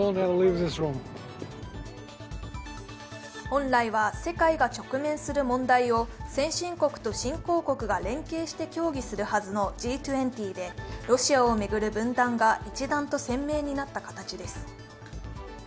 本来は世界が直面する問題を先進国と新興国が連携して協議するはずのＧ２０でロシアを巡る分断が一段と鮮明になった形です。